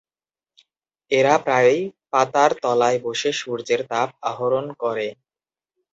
এরা প্রায়ই পাতার তলায় বসে সূর্যের তাপ আহরণ করে।